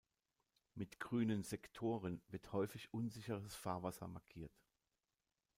Mit grünen Sektoren wird häufig unsicheres Fahrwasser markiert.